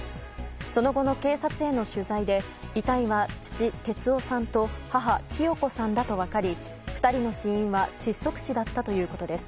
その後の警察への取材で遺体は、父・哲男さんと母・清子さんだと分かり２人の死因は窒息死だったということです。